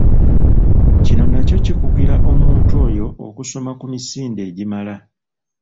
Kino nakyo kikugira omuntu oyo okusoma ku misinde egimala.